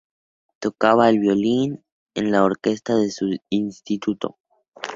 Tocaba el violín en la orquesta de su instituto.